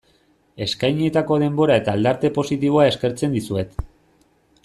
Eskainitako denbora eta aldarte positiboa eskertzen dizuet.